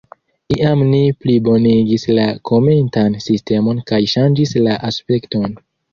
Iam ni plibonigis la komentan sistemon kaj ŝanĝis la aspekton.